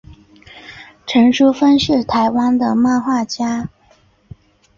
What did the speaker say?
陈淑芬是台湾的漫画家。